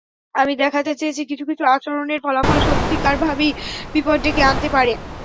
আমি দেখাতে চেয়েছি, কিছু কিছু আচরণের ফলাফল সত্যিকারভাবেই বিপদ ডেকে আনতে পারে।